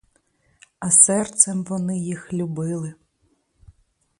А серцем вони їх любили.